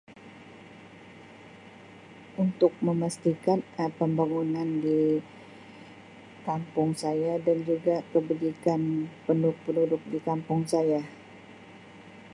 Untuk memastikan Um pembangunan di kampung saya dan juga kebajikan penduduk-penduduk di kampung saya.